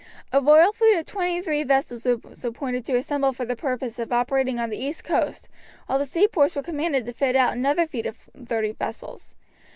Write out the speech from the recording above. A royal fleet of twenty three vessels was appointed to assemble for the purpose of operating on the east coast, while the seaports were commanded to fit out another fleet of thirty vessels.